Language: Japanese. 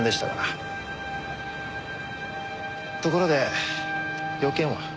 ところで用件は？